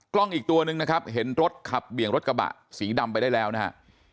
กล้องอีกตัวนึงนะครับเห็นรถขับเบี่ยงรถกระบะสีดำไปได้แล้วนะฮะ